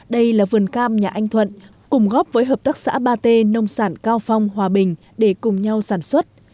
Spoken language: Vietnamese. đây là vườn cam nhà anh thuận cùng góp với hợp tác xã ba t nông sản cao phong hòa bình để cùng nhau sản xuất